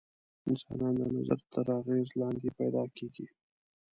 انسانان د نظم تر اغېز لاندې پیدا کېږي.